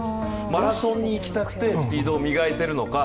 マラソンに行きたくてスピードを磨いているのか。